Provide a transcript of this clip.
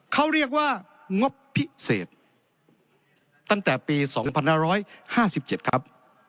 เขาเรียกว่างบพิเศษตั้งแต่ปี๒๕๕๗ครับ